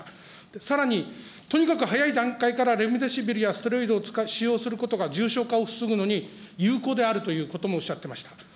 さらに、とにかく早い段階からレムデシビルやステロイドを使用することが重症化を防ぐのに有効であるということもおっしゃっていました。